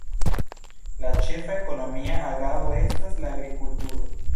La ĉefa ekonomia agado estas la agrikulturo.